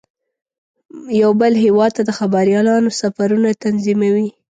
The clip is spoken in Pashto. یو بل هیواد ته د خبریالانو سفرونه تنظیموي.